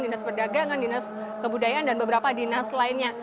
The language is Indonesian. dinas perdagangan dinas kebudayaan dan beberapa dinas lainnya